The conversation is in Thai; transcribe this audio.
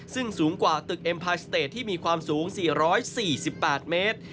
ซึ่งสูงกว่าตึกเอ็มพาสเตจที่มีความสูง๔๔๘เมตร